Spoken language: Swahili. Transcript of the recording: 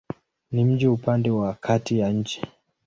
Ni mji upande wa kati ya nchi.